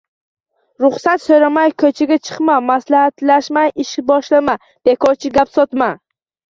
Ruxsat so'ramay ko'chaga chiqma, maslahatlashmay ish boshlama, bekorchi gap sotma